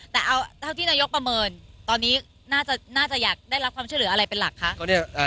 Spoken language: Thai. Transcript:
แต่เอาเท่าที่นายกประเมินตอนนี้น่าจะอยากได้รับความช่วยเหลืออะไรเป็นหลักคะ